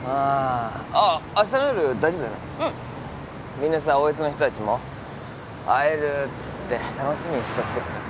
みんなさ大悦の人たちも会えるっつって楽しみにしちゃってっからさ。